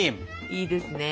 いいですね。